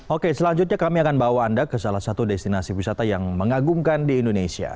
oke selanjutnya kami akan bawa anda ke salah satu destinasi wisata yang mengagumkan di indonesia